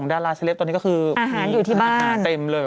อาหารอยู่ที่บ้าน